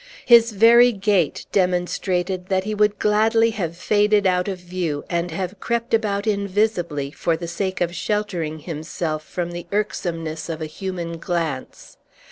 His very gait demonstrated that he would gladly have faded out of view, and have crept about invisibly, for the sake of sheltering himself from the irksomeness of a human glance.